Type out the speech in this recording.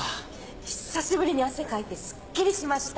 久しぶりに汗かいてスッキリしました。